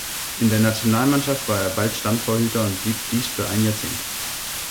In der Nationalmannschaft war er bald Stammtorhüter und blieb dies für ein Jahrzehnt.